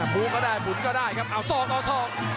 พูกก็ได้บุ๋นก็ได้ครับเอาซองเอาซอง